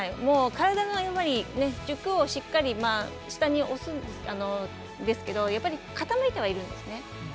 体の軸をしっかり下に押すんですけどやっぱり傾いてはいるんですね。